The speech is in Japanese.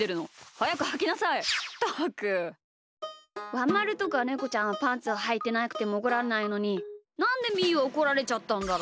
ワンまるとかネコちゃんはパンツをはいてなくてもおこらんないのになんでみーはおこられちゃったんだろう。